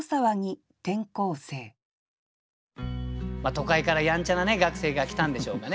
都会からやんちゃな学生が来たんでしょうかね。